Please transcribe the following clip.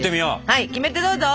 はいキメテどうぞ！